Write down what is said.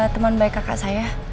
teman baik kakak saya